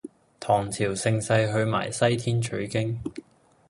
唐朝盛世去埋西天取經